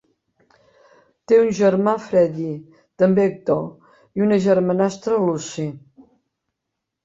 Té un germà, Freddie, també actor, i una germanastra, Lucy.